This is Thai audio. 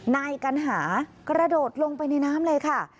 นายกัณหากระโดดลงไปในน้ำเลยค่ะ